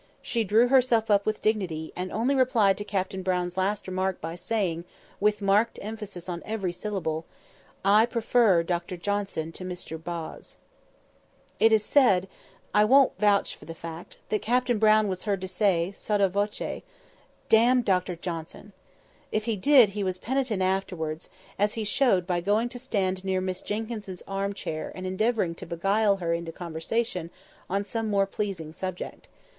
She drew herself up with dignity, and only replied to Captain Brown's last remark by saying, with marked emphasis on every syllable, "I prefer Dr Johnson to Mr Boz." It is said—I won't vouch for the fact—that Captain Brown was heard to say, sotto voce, "D n Dr Johnson!" If he did, he was penitent afterwards, as he showed by going to stand near Miss Jenkyns' arm chair, and endeavouring to beguile her into conversation on some more pleasing subject.